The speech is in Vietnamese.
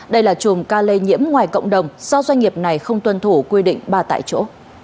đây là chùm ca lây nhiễm ngoài cộng đồng do doanh nghiệp này không tuân thủ quy định ba tại chỗ